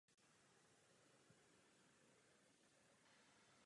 Památka není volně přístupná.